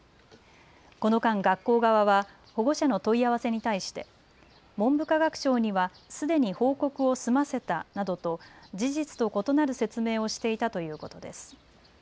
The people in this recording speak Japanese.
この間、学校側は保護者の問い合わせに対して、文部科学省にはすでに報告を済ませたなどと、事実と異なる説明をしていたということです。